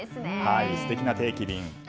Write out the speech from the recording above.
素敵な定期便です。